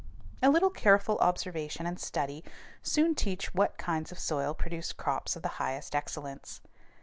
A little careful observation and study soon teach what kinds of soil produce crops of the highest excellence.